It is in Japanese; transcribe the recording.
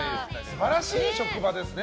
素晴らしい職場ですね。